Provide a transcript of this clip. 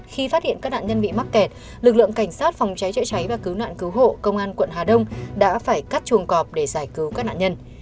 khi phát hiện các nạn nhân bị mắc kẹt lực lượng cảnh sát phòng cháy chữa cháy và cứu nạn cứu hộ công an quận hà đông đã phải cắt chuồng cọp để giải cứu các nạn nhân